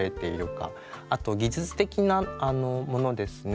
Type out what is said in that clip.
あと技術的なものですね。